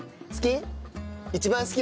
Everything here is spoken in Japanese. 好き？